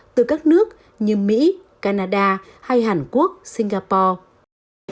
từ các nước như mỹ canada hay hàn quốc singapore